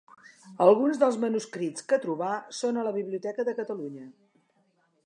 Alguns dels manuscrits que trobà són a la Biblioteca de Catalunya.